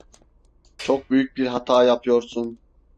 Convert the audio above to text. Çok büyük bir hata yapıyorsun.